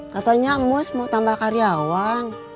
katanya mus mau tambah karyawan